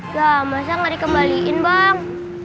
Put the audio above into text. ya masa gak dikembaliin bang